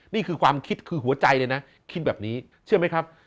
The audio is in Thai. นี่คือความคิดคือหัวใจเลยนะคิดแบบนี้เชื่อไหมครับ